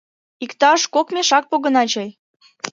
Иктаж кок мешак погына чай.